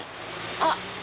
あっ！